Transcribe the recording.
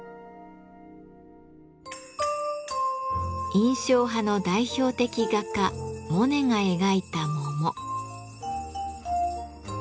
印象派の代表的画家モネが描いた桃。